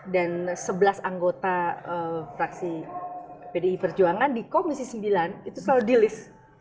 dan sebelas anggota fraksi pdi perjuangan di komisi sembilan itu selalu di list